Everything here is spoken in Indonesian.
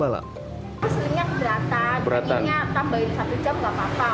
aslinya beratan ini tambahin satu jam gak apa apa